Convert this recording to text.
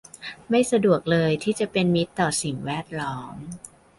ไม่สะดวกเลยที่จะเป็นมิตรต่อสิ่งแวดล้อม